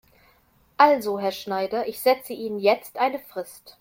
Also Herr Schneider, ich setze Ihnen jetzt eine Frist.